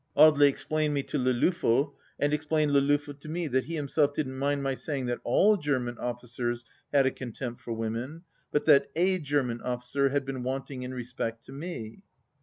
Audely explained me to Le Loffel, and explained Le Loffel to me, that he himself didn't mind my saying that all German officers had a contempt for women, but that a German officer had been wanting in respect to me.